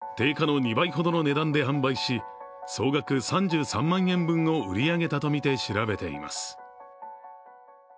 およそ６０個を定価の２倍ほどの値段で販売し総額３３万円分を売り上げたとみて調べています。